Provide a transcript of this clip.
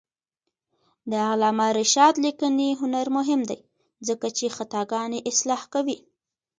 د علامه رشاد لیکنی هنر مهم دی ځکه چې خطاګانې اصلاح کوي.